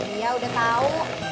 iya udah tau